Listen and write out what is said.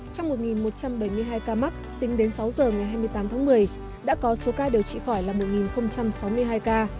trong một một trăm bảy mươi hai ca mắc tính đến sáu giờ ngày hai mươi tám tháng một mươi đã có số ca điều trị khỏi là một sáu mươi hai ca